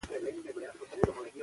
د هغوی تجربې ارزښتناکه دي.